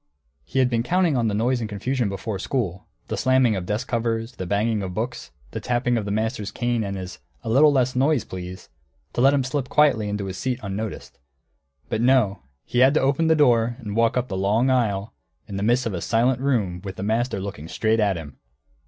He had been counting on the noise and confusion before school, the slamming of desk covers, the banging of books, the tapping of the master's cane and his "A little less noise, please," to let him slip quietly into his seat unnoticed. But no; he had to open the door and walk up the long aisle, in the midst of a silent room, with the master looking straight at him.